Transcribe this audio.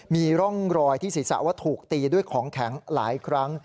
มีร่องรอยที่ศีรษะว่าถูกตีด้วยของแข็งหลายครั้ง